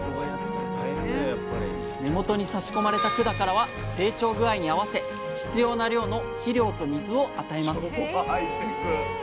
根元にさし込まれた管からは成長具合に合わせ必要な量の肥料と水を与えます。